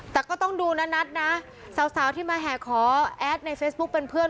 แต่ก็ต้องดูนะนัทนะสาวที่มาแห่ขอแอดในเฟซบุ๊คเป็นเพื่อน